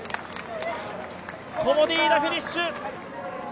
コモディイイダ、フィニッシュ。